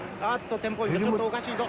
テンポイントちょっとおかしいぞ。